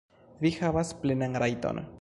Vi havas plenan rajton.